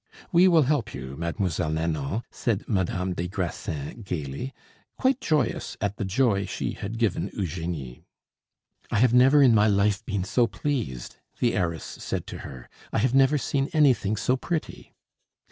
"We will help you, Mademoiselle Nanon," said Madame des Grassins gaily, quite joyous at the joy she had given Eugenie. "I have never in my life been so pleased," the heiress said to her; "I have never seen anything so pretty."